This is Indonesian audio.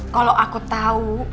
kalo aku tau